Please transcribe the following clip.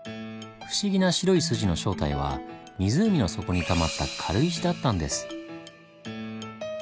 不思議な白い筋の正体は湖の底にたまった軽石だったんです。